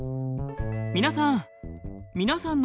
皆さん！